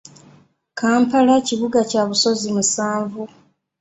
Kampala kibuga kya busozi musanvu